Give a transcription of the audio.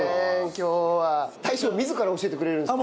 今日は大将自ら教えてくれるんですか？